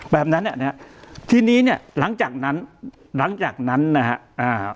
แบบนั้นอ่ะนะฮะทีนี้เนี่ยหลังจากนั้นหลังจากนั้นนะฮะอ่า